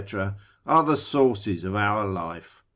are the sauces of our life.